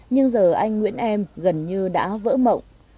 nhưng giờ anh nguyễn em gần như đã vỡ mộng